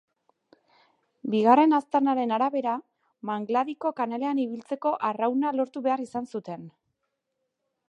Bigarren aztarnaren arabera, mangladiko kanalean ibiltzeko arrauna lortu behar izan zuten.